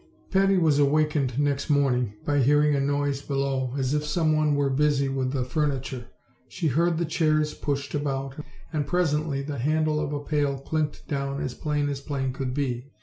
Patty was awakened next morning by hearing a noise below, as if some one were busy with the furniture. She heard the chairs pushed about, and presently the handle of a pail clinked down as plain as plain could be.